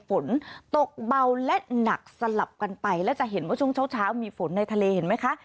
ฝนตกเบาและหนักสลับกันไปแล้วจะเห็นว่าช่วงเช้ามีฝนในทะเลเห็นไหมคะ